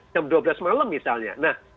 jam dua belas malam misalnya